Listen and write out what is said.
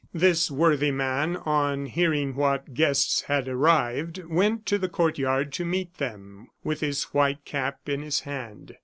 This worthy man, on hearing what guests had arrived, went to the court yard to meet them, with his white cap in his hand.